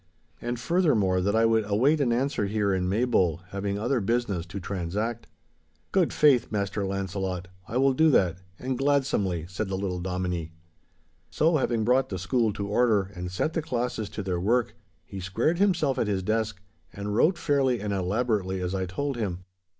And furthermore that I would await an answer here in Maybole, having other business to transact. 'Good faith, Master Launcelot, I will do that—and gladsomely,' said the little Dominie. So, having brought the school to order and set the classes to their work, he squared himself at his desk, and wrote fairly and elaborately as I told him.